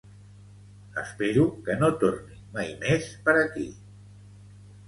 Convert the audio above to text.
Espero que no torni mai més per aquí